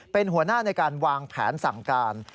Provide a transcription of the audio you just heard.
เป็นหัวหน้าในการวางแผนสั่งการ